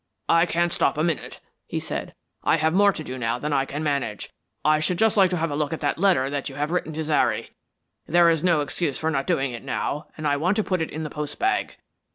"I can't stop a minute," he said. "I have more to do now than I can manage. I should just like to have a look at that letter that you have written to Zary. There is no excuse for not doing it now, and I want to put it in the post bag."